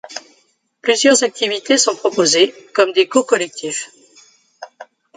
Plusieurs activités sont proposées, comme des cours collectifs.